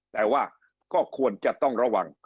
แต่ว่าก็ควรจะต้องระวัง